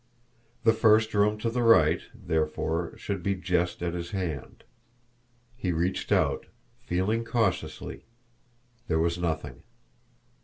The first room to the right, therefore, should be just at his hand. He reached out, feeling cautiously there was nothing.